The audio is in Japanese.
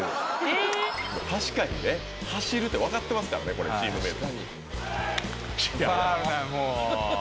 確かにね走るって分かってますからねチームメート。